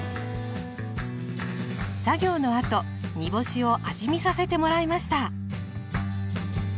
作業のあと煮干しを味見させてもらいました。